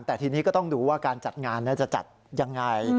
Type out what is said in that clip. แต่ทีนี้ก็ต้องดูว่าการจัดงานจะจัดยังไง